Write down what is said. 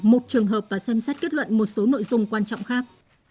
một trường hợp và xem xét kết luận một số nội dung quan trọng khác